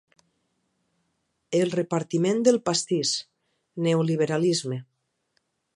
El repartiment del pastís; Neoliberalisme.